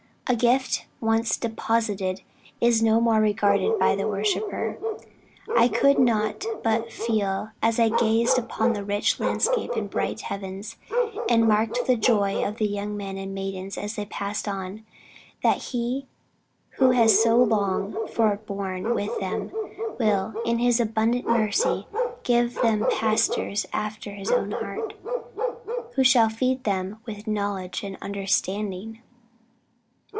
A gift once deposited is no more regarded by the worshipper." "I could not but feel as I gazed upon the rich landscape and bright heavens, and marked the joy of the young men and maidens as they passed on, that he who has so long forborne with them, will in his abundant mercy, give them pastors after his own heart, who shall feed them with knowledge and understanding."